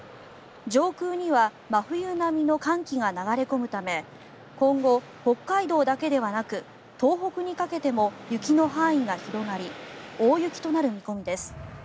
上空には真冬並みの寒気が流れ込むため今後、北海道だけではなく東北にかけても雪の範囲が広がり大雪となる見込みです。